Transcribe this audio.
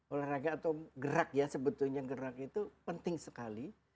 olahraga atau gerak ya sebetulnya gerak itu penting sekali